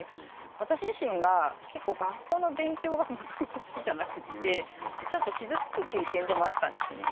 私自身が結構学校の勉強がもともと好きじゃなくって。でちょっと傷つく経験でもあったんですよね。